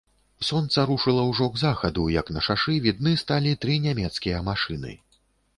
Сонца рушыла ўжо к захаду, як на шашы відны сталі тры нямецкія машыны.